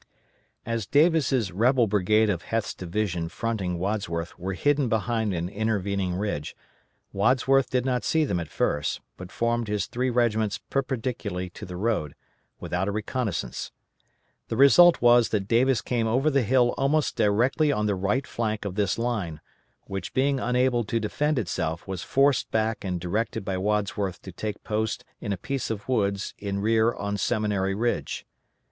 As Davis' rebel brigade of Heth's division fronting Wadsworth were hidden behind an intervening ridge, Wadsworth did not see them at first, but formed his three regiments perpendicularly to the road, without a reconnoissance. The result was that Davis came over the hill almost directly on the right flank of this line, which being unable to defend itself was forced back and directed by Wadsworth to take post in a piece of woods in rear on Seminary Ridge.